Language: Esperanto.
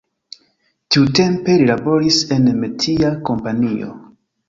Tiutempe li laboris en metia kompanio.